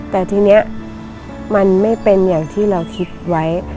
แต่ทีนี้มันไม่เป็นอย่างที่เราคิดไว้